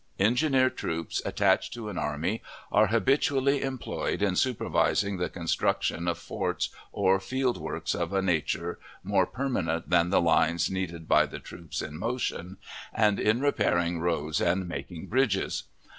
Engineer troops attached to an army are habitually employed in supervising the construction of forts or field works of a nature more permanent than the lines need by the troops in motion, and in repairing roads and making bridges.